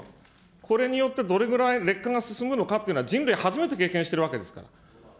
これによってどれぐらい劣化が進むのかというのは、人類初めて経験しているわけですから。